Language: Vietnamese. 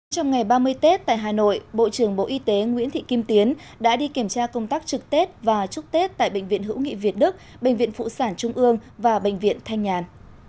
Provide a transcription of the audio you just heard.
trong ngày ba mươi tết tại hà nội bộ trưởng bộ y tế nguyễn thị kim tiến đã đi kiểm tra công tác trực tết và chúc tết tại bệnh viện hữu nghị việt đức bệnh viện phụ sản trung ương và bệnh viện thanh nhàn